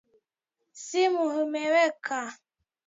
Simu imewaka.